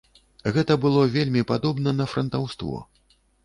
Гэта было вельмі падобна на франтаўство.